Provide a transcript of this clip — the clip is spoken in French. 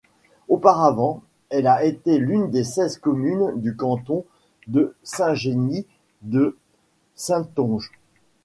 Auparavant, elle a été l'une des seize communes du canton de Saint-Genis-de-Saintonge.